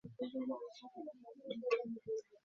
আমাদের সাথে কথা বলো!